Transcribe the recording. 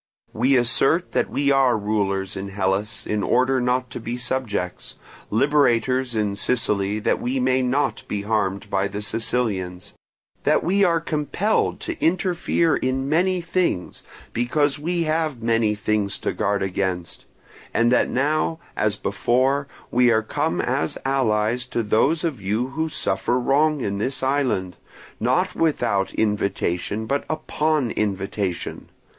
We assert that we are rulers in Hellas in order not to be subjects; liberators in Sicily that we may not be harmed by the Sicilians; that we are compelled to interfere in many things, because we have many things to guard against; and that now, as before, we are come as allies to those of you who suffer wrong in this island, not without invitation but upon invitation.